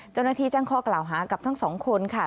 เจ้าหน้าที่แจ้งข้อกล่าวหากับทั้งสองคนค่ะ